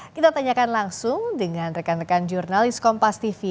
kita tanyakan langsung dengan rekan rekan jurnalis kompas tv